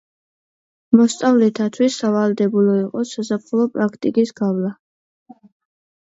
მოსწავლეთათვის სავალდებულო იყო საზაფხულო პრაქტიკის გავლა.